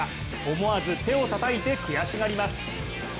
思わず、手をたたいて悔しがります。